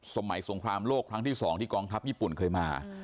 สงครามโลกครั้งที่๒ที่กองทัพญี่ปุ่นเคยมา